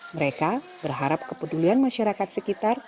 mereka berharap kepedulian masyarakat sekitar